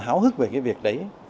háo hức về cái việc đấy